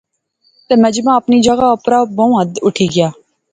تہ مجمع اپنی جاغا اپرا بہوں حد اٹھِی گیا